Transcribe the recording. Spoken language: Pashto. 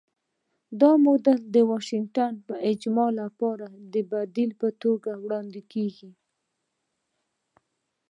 دا موډل د 'واشنګټن اجماع' لپاره د بدیل په توګه وړاندې کېږي.